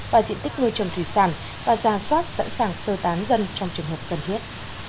và diện tích nuôi trồng thủy sản và ra soát sẵn sàng sơ tán dân trong trường hợp cần thiết